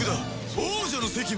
王者の責務